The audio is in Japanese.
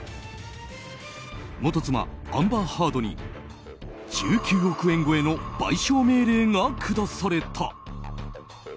元妻アンバー・ハードに１９億円超えの賠償命令が下された。